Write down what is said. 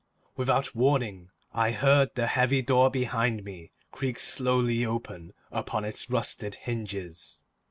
Without warning, I heard the heavy door behind me creak slowly open upon its rusted hinges.